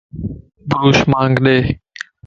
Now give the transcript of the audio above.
بروش مانک ڏي